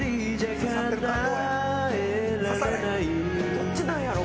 どっちなんやろ？